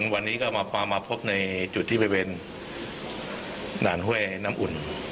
วันนี้ก็มาพบในจุดที่เป็นด่านเฮ่น้ำอุ่น